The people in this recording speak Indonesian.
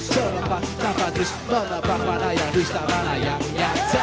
terlampak tanpa terus melepak mana yang justa mana yang nyata